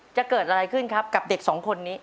จะเกิดอะไรขึ้นครับกับเด็กสองคนนี้